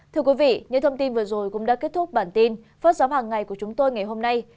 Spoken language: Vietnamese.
thưa quý vị những thông tin vừa rồi cũng đã kết thúc bản tin phát sóng hàng ngày của chúng tôi ngày hôm nay